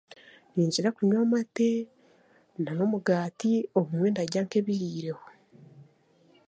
Ninkira kunywa amate nan'omugaati, obumwe ndarya nk'ebihiireho